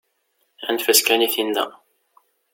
Anef-as kan i tinna.